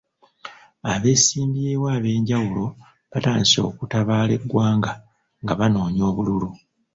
Abeesimbyewo ab'enjawulo batandise okutabaala eggwanga nga banoonya obululu.